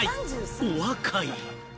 お若い！